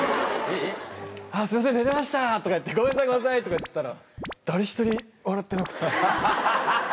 あぁすいません寝てましたごめんなさいごめんなさいとか言ったら誰一人笑ってなくて。